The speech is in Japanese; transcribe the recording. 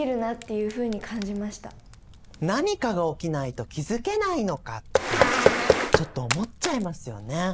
何かが起きないと気付けないのかってちょっと思っちゃいますよね。